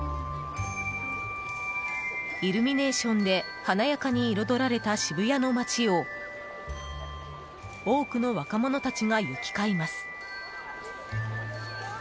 イルミネーションで華やかに彩られた渋谷の街を多くの若者たちが行き交います。